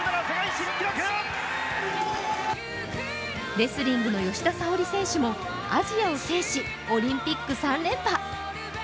レスリングの吉田沙保里選手もアジアを制し、オリンピック３連覇。